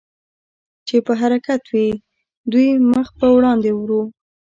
چې په حرکت وې، دوی مخ په وړاندې ورو.